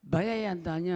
banyak yang tanya